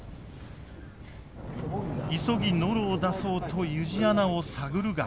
急ぎノロを出そうと湯路穴を探るが。